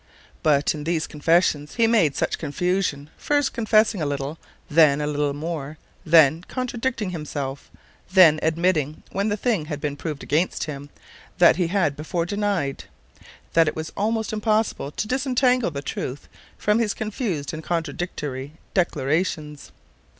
But in these confessions he made such confusion, first confessing a little, then a little more, then contradicting himself, then admitting, when the thing had been proved against him, what he had before denied, that it was almost impossible to disentangle the truth from his confused and contradictory declarations.